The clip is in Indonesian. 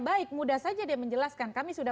baik mudah saja dia menjelaskan kami sudah